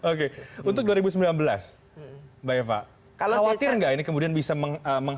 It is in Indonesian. oke untuk dua ribu sembilan belas mbak eva khawatir nggak ini kemudian bisa